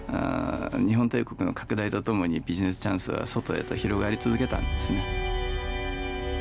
日本帝国の拡大とともにビジネスチャンスは外へと広がり続けたんですね。